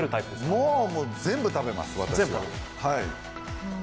もう全部食べます、私は。